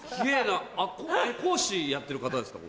講師やってる方ですか？